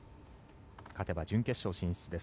勝てば準決勝進出です。